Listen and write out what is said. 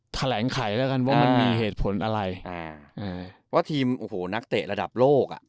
แถลงไขแล้วกันว่ามันมีเหตุผลอะไรอ่าว่าทีมโอ้โหนักเตะระดับโลกอ่ะ